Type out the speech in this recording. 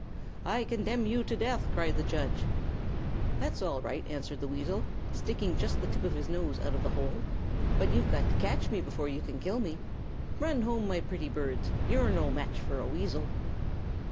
"'I condemn you to death!' cried the judge. "'That's all right,' answered the weasel, sticking just the tip of his nose out of the hole. 'But you've got to catch me before you can kill me. Run home, my pretty birds. You're no match for a weasel!'